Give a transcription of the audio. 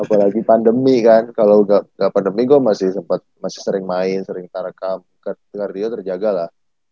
apalagi pandemi kan kalo ga pandemi gue masih sempet masih sering main sering tarkam kardio terjaga lah